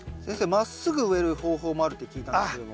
まっすぐ植える方法もあるって聞いたんですけども。